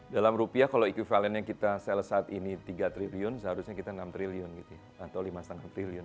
dalam rupiah kalau equivalent yang kita sale saat ini tiga triliun seharusnya kita enam triliun gitu ya atau lima lima triliun